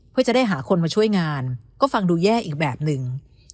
เพื่อจะได้หาคนมาช่วยงานก็ฟังดูแย่อีกแบบหนึ่ง